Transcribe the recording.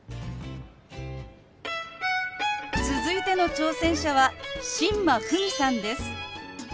続いての挑戦者は新間扶美さんです。